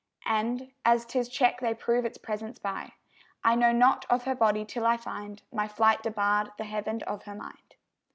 And, as 'tis check they prove its presence by, I know not of her body till I find My flight debarred the heaven of her mind.